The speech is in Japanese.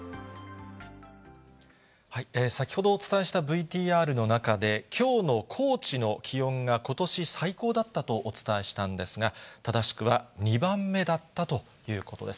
先ほどお伝えしたＶＴＲの中で、きょうの高知の気温が、ことし最高だったとお伝えしたんですが、正しくは２番目だったということです。